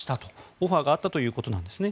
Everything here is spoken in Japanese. オファーがあったということなんですね。